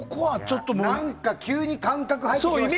何か急に感覚入ってきましたね。